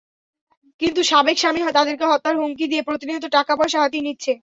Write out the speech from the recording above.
কিন্তু সাবেক স্বামী তাদেরকে হত্যার হুমকি দিয়ে প্রতিনিয়ত টাকা পয়সা হাতিয়ে নিচ্ছে।